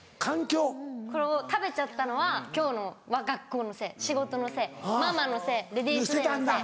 これを食べちゃったのは今日の学校のせい仕事のせいママのせいレディースデーのせい。